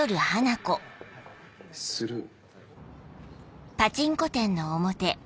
スルー？